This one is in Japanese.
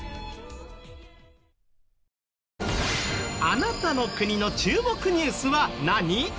あなたの国の注目ニュースは何？